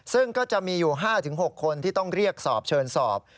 ซึ่งก็จะมีอยู่๕๖คนที่ต้องเรียกสอบเชิญสอบ